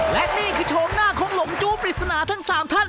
และนี่คือโฉมหน้าของหลงจู้ปริศนาทั้ง๓ท่าน